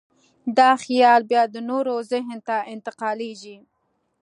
دا خیال بیا د نورو ذهن ته انتقالېږي.